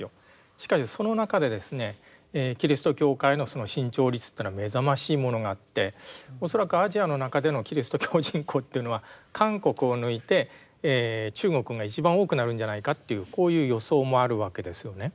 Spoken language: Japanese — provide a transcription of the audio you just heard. しかしその中でですねキリスト教会の伸長率というのは目覚ましいものがあって恐らくアジアの中でのキリスト教人口というのは韓国を抜いて中国が一番多くなるんじゃないかというこういう予想もあるわけですよね。